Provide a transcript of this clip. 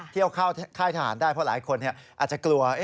เข้าค่ายทหารได้เพราะหลายคนอาจจะกลัว